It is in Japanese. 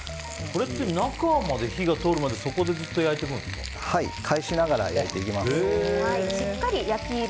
これって中まで火が通るまでそこでずっと返しながら焼いていきます。